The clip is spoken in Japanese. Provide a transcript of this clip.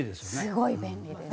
すごい便利です。